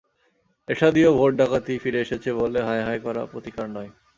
এরশাদীয় vote ডাকাতি ফিরে এসেছে বলে হায় হায় করা প্রতিকার নয়।